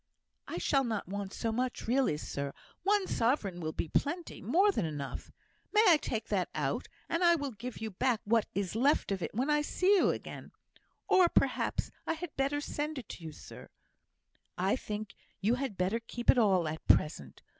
"I shall not want so much, really, sir. One sovereign will be plenty more than enough. May I take that out, and I will give you back what is left of it when I see you again? or, perhaps I had better send it to you, sir?" "I think you had better keep it all at present.